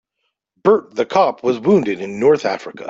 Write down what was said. Bert the cop was wounded in North Africa.